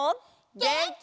げんき！